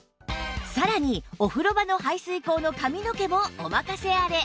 さらにお風呂場の排水口の髪の毛もお任せあれ